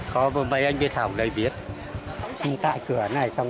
khai giờ bắt đầu sóng